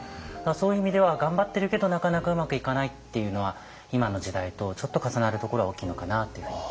そういう意味では頑張ってるけどなかなかうまくいかないっていうのは今の時代とちょっと重なるところが大きいのかなというふうに。